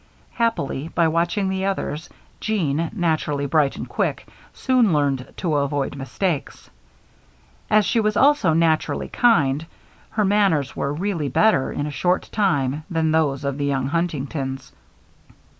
Happily, by watching the others, Jeanne, naturally bright and quick, soon learned to avoid mistakes. As she was also naturally kind, her manners were really better, in a short time, than those of the young Huntingtons.